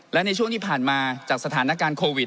และในช่วงที่ผ่านมาจากสถานการณ์โควิด